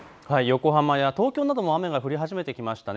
横浜や東京なども雨が降り始めてきました。